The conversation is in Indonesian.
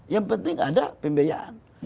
yang penting ada pembayaran